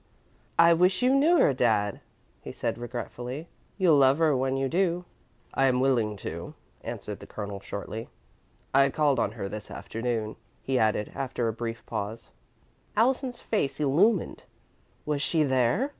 "I wish you knew her, Dad," he said, regretfully. "You'll love her when you do." "I'm willing to," answered the Colonel, shortly. "I called on her this afternoon," he added, after a brief pause. Allison's face illumined. "Was she there?